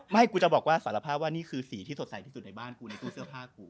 กูจะบอกว่าสารภาพว่านี่คือสีที่สดใสที่สุดในบ้านกูในตู้เสื้อผ้ากู